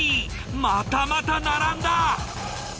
またまた並んだ！